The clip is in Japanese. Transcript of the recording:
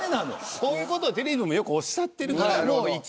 こういう事をテレビでもよくおっしゃってるから。